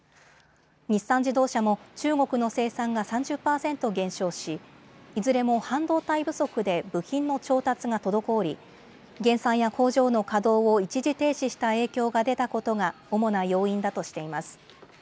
日産自動車も中国の生産が３０％減少し、いずれも半導体不足で部品の調達が滞り、減産や工場の稼働を一時停止した影響が出たことが主な要因だとしています。